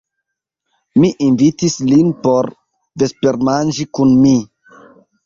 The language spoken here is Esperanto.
Mi invitis lin por vespermanĝi kun mi.